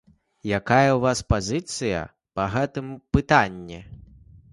Якая ў вас пазіцыя па гэтым пытанні?